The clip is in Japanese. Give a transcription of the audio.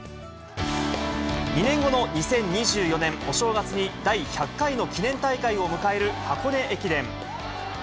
２年後の２０２４年お正月に、第１００回の記念大会を迎える箱根駅伝。